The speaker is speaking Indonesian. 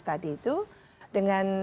tadi itu dengan